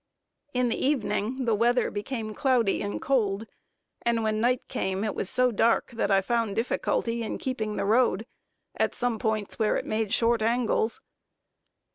In the evening, the weather became cloudy and cold, and when night came it was so dark that I found difficulty in keeping in the road, at some points where it made short angles.